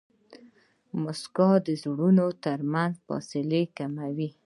موسکا د زړونو ترمنځ فاصله کموي.